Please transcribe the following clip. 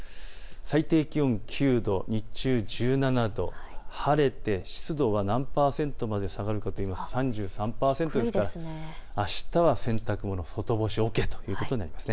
最低気温９度、日中１７度、晴れて湿度は何％まで下がるというと３３％ですからあしたは洗濯物、外干しＯＫということになります。